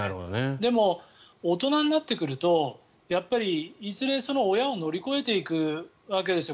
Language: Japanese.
でも、大人になってくるとやっぱりいずれ親を乗り越えていくわけですよ。